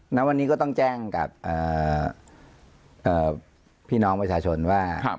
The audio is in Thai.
ณวันนี้ก็ต้องแจ้งกับพี่น้องประชาชนว่า